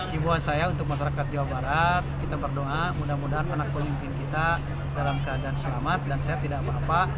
hiburan saya untuk masyarakat jawa barat kita berdoa mudah mudahan anak pemimpin kita dalam keadaan selamat dan sehat tidak apa apa